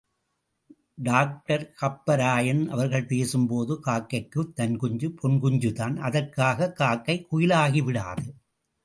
Doctor Kapparayan அவர்கள் பேசும்போது காக்கைக்குத் தன் குஞ்சு பொன் குஞ்சுதான் அதற்காகக் காக்கை குயிலாகி விடாது.